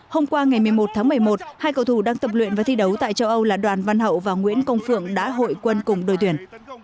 hôm qua ngày một mươi một tháng một mươi một hai cầu thủ đang tập luyện và thi đấu tại châu âu là đoàn văn hậu và nguyễn công phượng đã hội quân cùng đội tuyển